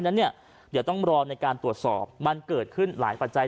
นั้นเนี่ยเดี๋ยวต้องรอในการตรวจสอบมันเกิดขึ้นหลายปัจจัย